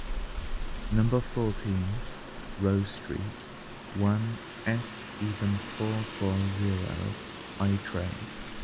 Number fourteen, Réaux street, one-seven-four-four-zero, Aytré.